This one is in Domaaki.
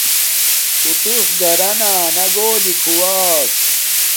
اُو توس گھرانا گھولی گھواس